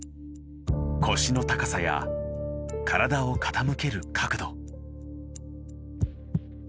腰の高さや体を傾ける角度。